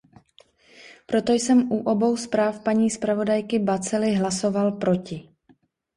Proto jsem u obou zpráv paní zpravodajky Batzeli hlasoval proti.